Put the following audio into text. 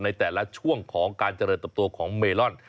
ในแต่ละช่วงของการเจริญเติบโตของเมลอน